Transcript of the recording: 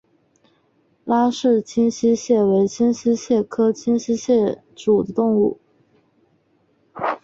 拉氏清溪蟹为溪蟹科清溪蟹属的动物。